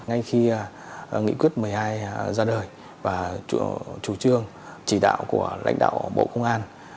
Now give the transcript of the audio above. ngay khi nghị quyết một mươi hai ra đời và chủ trương chỉ đạo của lãnh đạo bộ công an